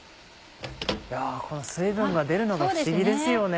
この水分が出るのが不思議ですよね。